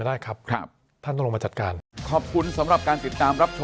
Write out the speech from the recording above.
อ่า